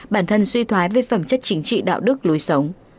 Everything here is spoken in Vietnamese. bản thân suy thoái về phẩm chất chính trị đạo đức lối sống